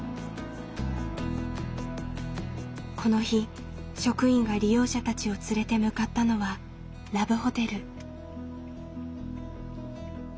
この日職員が利用者たちを連れて向かったのはラブホテル。